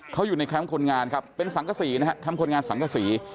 เขาอยู่ในแคมป์คนงานครับเป็นสังกษีนะฮะแคมป์คนงานสังกษี